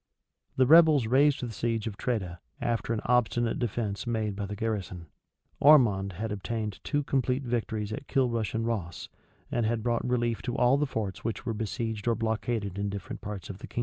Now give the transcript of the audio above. The rebels raised the siege of Tredah, after an obstinate defence made by the garrison.[] Ormond had obtained two complete victories at Kilrush and Ross; and had brought relief to all the forts which were besieged or blockaded in different parts of the kingdom.